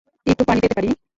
একটু পানি পেতে পারি?